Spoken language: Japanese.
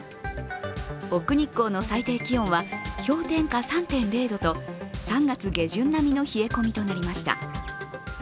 奥日光の最低気温は氷点下３．０度と３月下旬並みの冷え込みとなりました。